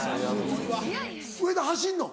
上田走んの？